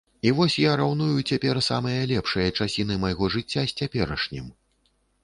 І вось я раўную цяпер самыя лепшыя часіны майго жыцця з цяперашнім.